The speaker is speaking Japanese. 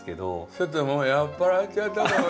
ちょっともう酔っ払っちゃったかも。